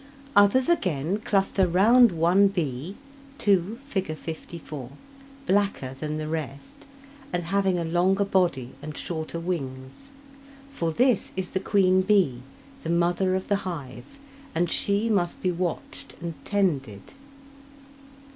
Others again, cluster round one bee (2, Fig. 54) blacker than the rest and having a longer body and shorter wings; for this is the queen bee, the mother of the hive, and she must be watched and tended.